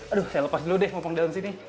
aduh saya lepas dulu deh ngumpulin di sini